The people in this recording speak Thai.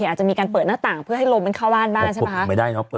อาจจะมีการเปิดหน้าต่างเพื่อให้ลมมันเข้าบ้านบ้างใช่ไหมคะ